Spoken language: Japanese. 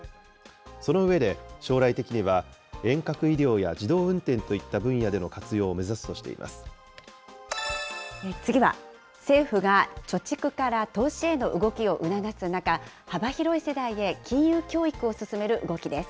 その上で、将来的には遠隔医療や自動運転といった分野での活用を目指すとし次は、政府が貯蓄から投資への動きを促す中、幅広い世代へ金融教育を進める動きです。